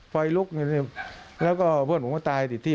ไฟลุกอย่างนี้แล้วก็พวกผมก็ตายที่ที่